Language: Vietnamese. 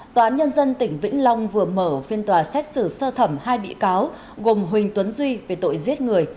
tòa án nhân dân tỉnh vĩnh long vừa mở phiên tòa xét xử sơ thẩm hai bị cáo gồm huỳnh tuấn duy về tội giết người